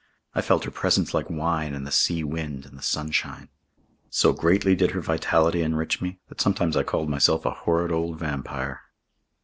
I felt her presence like wine and the sea wind and the sunshine. So greatly did her vitality enrich me, that sometimes I called myself a horrid old vampire.